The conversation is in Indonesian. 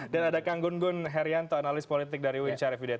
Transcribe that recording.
dan ada kang gun gun herianto analis politik dari win syarif wdt